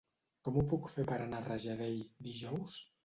Com ho puc fer per anar a Rajadell dijous?